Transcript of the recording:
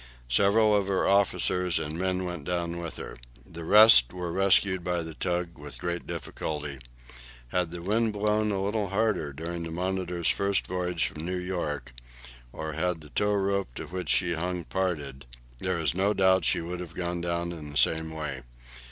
Several of her officers and men went down with her. The rest were rescued by the tug, with great difficulty. Had the wind blown a little harder during the "Monitor's" first voyage from New York, or had the tow rope to which she hung parted, there is no doubt she would have gone down in the same way.